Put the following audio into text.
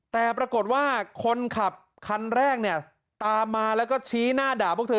แต่ปรากฏว่าคนขับคันแรกเนี่ยตามมาแล้วก็ชี้หน้าด่าพวกเธอ